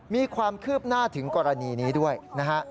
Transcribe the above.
มีความคืบหน้าถึงกรณีนี้ด้วยนะฮะ